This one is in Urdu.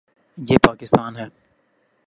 یہ پاکستان ہے۔